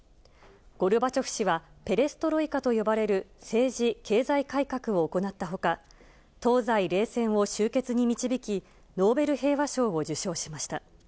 ゴルバチョフ氏は、ペレストロイカと呼ばれる政治・経済改革を行ったほか、東西冷戦を終結に導き、ノーベル平和賞を受賞しました。